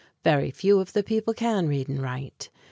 Very few of the people can read and write.